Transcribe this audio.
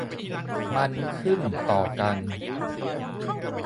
มันขึ้นต่อกัน